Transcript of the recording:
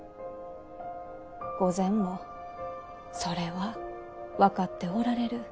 御前もそれは分かっておられる。